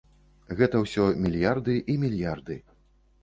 Гэта ўсё мільярды і мільярды.